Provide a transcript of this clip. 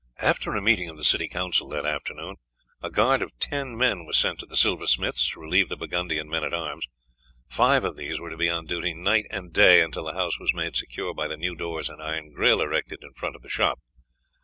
After a meeting of the city council that afternoon, a guard of ten men was sent to the silversmith's to relieve the Burgundian men at arms. Five of these were to be on duty night and day until the house was made secure by the new doors and iron grill erected in front of the shop.